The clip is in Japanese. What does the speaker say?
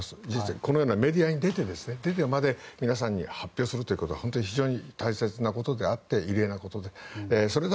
このようなメディアに出てまで皆さんに発表するということは本当に非常に大切なことであって異例なことであって。